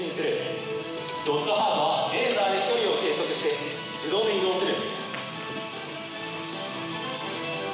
ゴッドハートはレーザーで距離を計測して自動で移動する。